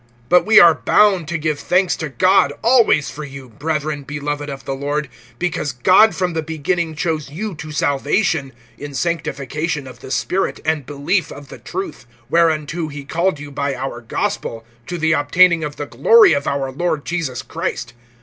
(13)But we are bound to give thanks to God always for you, brethren beloved of the Lord, because God from the beginning chose you to salvation, in sanctification of the Spirit and belief of the truth; (14)whereunto he called you by our gospel, to the obtaining of the glory of our Lord Jesus Christ.